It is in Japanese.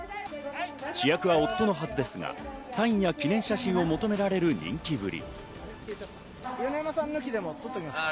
主役は夫のはずですが、サインや記念写真を求められる人気ぶり。